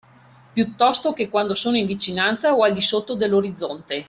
Piuttosto che quando sono in vicinanza o al di sotto dell’orizzonte.